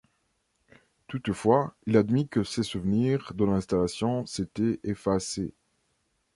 Toutefois, il admit que ses souvenirs de l'installation s’étaient effacés.